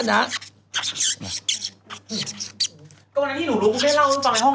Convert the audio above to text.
เหรอใส่หรือ